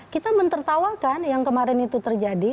kita mentertawakan yang kemarin itu terjadi